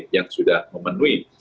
yang sudah memenuhi